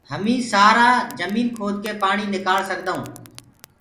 هميٚ سآرآ جميٚن کود ڪي پآڻي نڪآݪ سگدآهونٚ